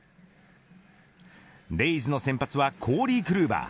レイズの先発はコリー・クルーバー。